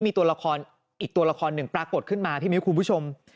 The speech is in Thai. มีตัวละครอีกตัวละครหนึ่งปรากฏขึ้นมาพี่มิ้วคุณผู้ชม